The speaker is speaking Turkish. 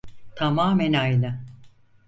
Tamamen aynı.